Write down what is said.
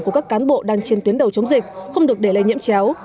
của các cán bộ đang trên tuyến đầu chống dịch không được để lây nhiễm chéo